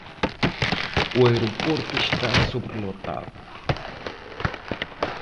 O aeroporto está sobrelotado.